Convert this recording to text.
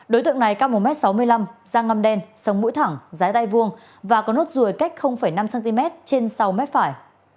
đối tượng này cao một m sáu mươi năm da ngăm đen sông mũi thẳng dái tay vuông và có nốt ruồi cách năm cm trên sau mép phải